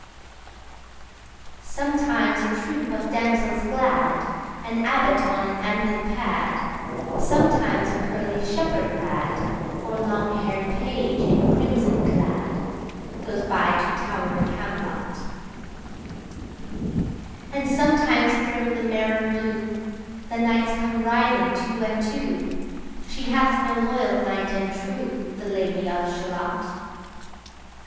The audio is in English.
Sometimes a troop of damsels glad, 55 An abbot on an ambling pad, Sometimes a curly shepherd lad, Or long hair'd page in crimson clad, Goes by to tower'd Camelot; And sometimes thro' the mirror blue 60 The knights come riding two and two: She hath no loyal knight and true, The Lady of Shalott.